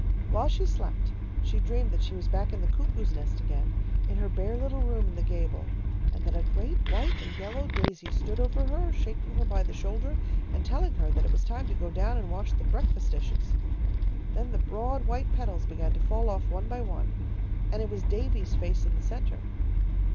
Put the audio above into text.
While she slept she dreamed that she was back in the cuckoo's nest again, in her bare little room in the gable, and that a great white and yellow daisy stood over her, shaking her by the shoulder and telling her that it was time to go down and wash the breakfast dishes. Then the broad white petals began to fall off one by one, and it was Davy's face in the centre.